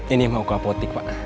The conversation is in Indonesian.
ini mau ke apotik pak